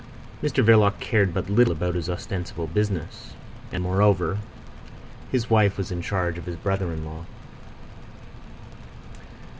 Mr Verloc cared but little about his ostensible business. And, moreover, his wife was in charge of his brother in law.